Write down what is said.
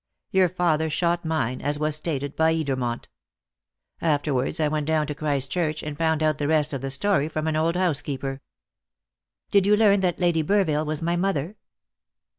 Your father shot mine, as was stated by Edermont. Afterwards I went down to Christchurch, and found out the rest of the story from an old housekeeper." "Did you learn that Lady Burville was my mother?"